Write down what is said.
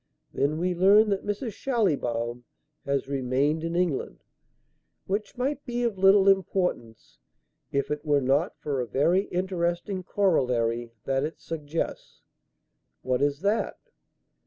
Then we learn that Mrs. Schallibaum has remained in England; which might be of little importance if it were not for a very interesting corollary that it suggests." "What is that?"